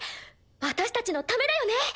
私たちのためだよね。